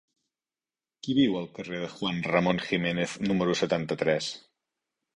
Qui viu al carrer de Juan Ramón Jiménez número setanta-tres?